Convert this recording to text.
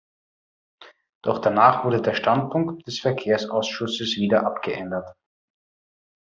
Doch danach wurde der Standpunkt des Verkehrsausschusses wieder abgeändert.